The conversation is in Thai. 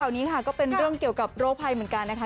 นี้ค่ะก็เป็นเรื่องเกี่ยวกับโรคภัยเหมือนกันนะคะ